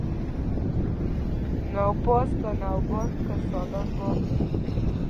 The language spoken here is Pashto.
نواپاس، که نواباد که سالار باغ دی